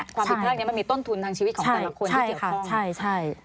ความผิดแพรกมันมีต้นทุนทางชีวิตของแต่ละคนตรงทาง